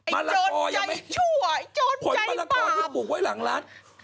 มะละกอยังไม่ไอ้โจรใจชั่วไอ้โจรใจปราบผลมะละกอที่ปลูกไว้หลังร้าน